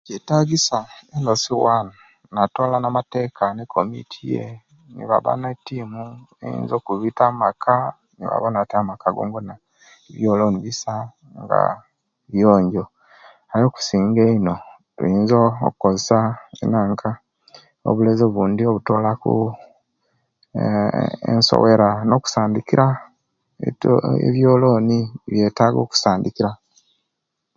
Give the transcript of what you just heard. Kyetagisia Lc 1 natola namateka nekomiti ye nebaba ne'timu eyinza okubita mumaka nebawona nti amaka yoyona ebyoloni bisa nga biyonjo okusinga eino kuyinza okozesya enaka obulezi obundi obutolaku eeh eeh ensowera nokusandikira etoyi ebyoloni byetaga okusandikira